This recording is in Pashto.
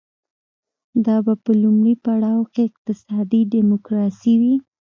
دا به په لومړي پړاو کې اقتصادي ډیموکراسي وي.